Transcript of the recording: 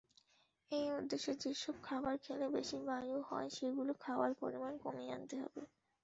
এই উদ্দেশ্যে যেসব খাবার খেলে বেশি বায়ু হয় সেগুলো খাওয়ার পরিমাণ কমিয়ে আনতে হবে।